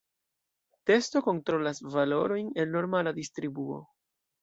Testo kontrolas valorojn el normala distribuo.